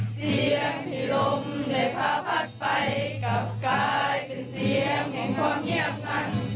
เสียงที่ลมได้พาพัดไปกลับกลายเป็นเสียงแห่งความเงียบนั้น